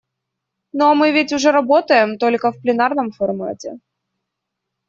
Ну а мы ведь уже работаем только в пленарном формате.